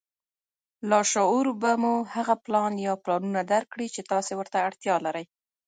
نو لاشعور به مو هغه پلان يا پلانونه درکړي چې تاسې ورته اړتيا لرئ.